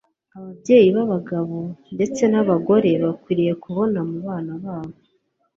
Ababyevi b'abagabo ndetse n'ab'abagore bakwiriye kubona mu bana babo